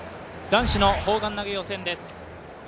男子の砲丸投、予選です。